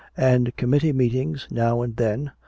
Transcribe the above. "And committee meetings now and then.